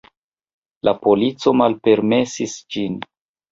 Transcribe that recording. La polico malpermesis ĝin.